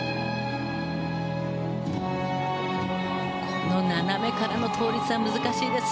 この斜めからの倒立は難しいです。